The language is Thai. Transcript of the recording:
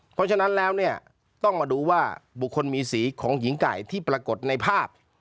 เพราะฉะนั้นแล้วเนี่ยต้องมาดูว่าบุคคลมีสีของหญิงไก่ที่ปรากฏในภาพ